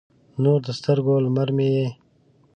نور د سترګو، لمر مې یې